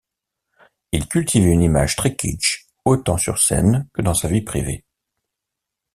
Il cultivait une image très kitsch, autant sur scène que dans sa vie privée.